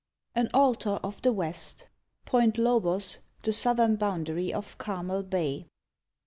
63 AN ALTAR OF THE WEST (Point Lobos, the southern boundary of Carmel Bay.)